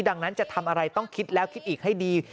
ดังนั้นจะทำอะไรต้องคิดแล้วคิดอีกให้ดี